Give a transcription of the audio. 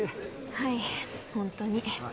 はい本当に。